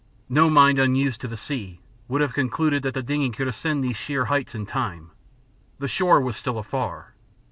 No mind unused to the sea would have concluded that the dingey could ascend these sheer heights in time. The shore was still afar.